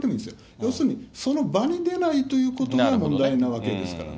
要するに、その場に出ないということが問題なわけですからね。